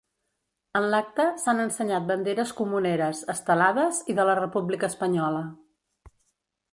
En l’acte s’han ensenyat banderes comuneres, estelades i de la república espanyola.